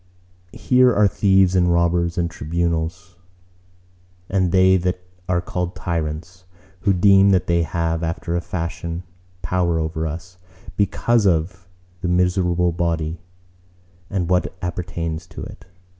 Here are thieves and robbers and tribunals: and they that are called tyrants, who deem that they have after a fashion power over us, because of the miserable body and what appertains to it.